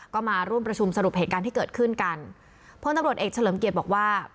ก็มาร่วมประชุมสรุปเหตุการณ์ที่เกิดขึ้นกันพลตำรวจเอกเฉลิมเกียรติบอกว่า